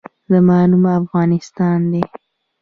زما نوم افغانستان دی